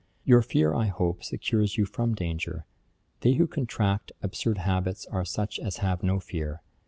Your fear, I hope, secures you from danger. They who contract absurd habits are such as have no fear.